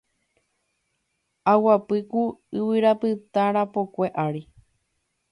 Aguapy ku yvyrapytã rapokue ári